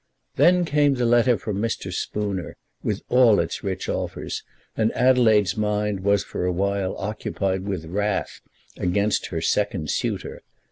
Then came the letter from Mr. Spooner, with all its rich offers, and Adelaide's mind was for a while occupied with wrath against her second suitor.